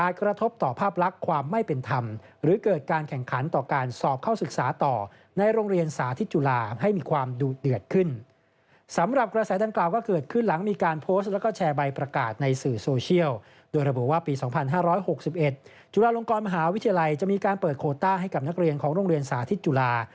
จุฬาลงกรมหาวิทยาลัยจะมีการเปิดโคต้าให้กับนักเรียนของโรงเรียนสาธิตจุฬา